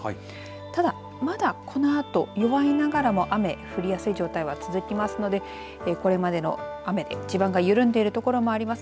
ただ、まだこのあと弱いながらも雨降りやすい状態が続きますのでこれまでの雨で地盤が緩んでいるところもあります。